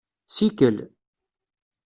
Sikel.